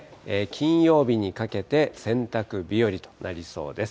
金曜日にかけて、洗濯日和となりそうです。